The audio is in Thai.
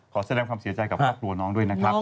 ขอแสดงความเสียใจกับครอบครัวน้องด้วยนะครับ